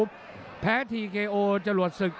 เผ่าฝั่งโขงหมดยก๒